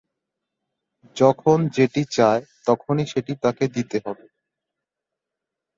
যখন যেটি চায় তখনই সেটি তাকে দিতে হবে।